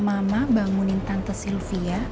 mama bangunin tante sylvia